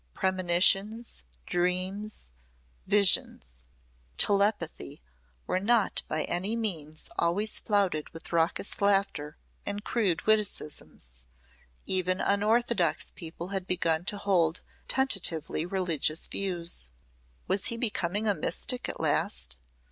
Premonitions, dreams, visions, telepathy were not by any means always flouted with raucous laughter and crude witticisms. Even unorthodox people had begun to hold tentatively religious views. Was he becoming a mystic at last?